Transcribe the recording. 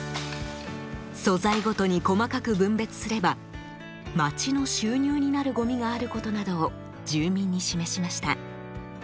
素材ごとに細かく分別すれば町の収入になるごみがあることなどを住民に示しました。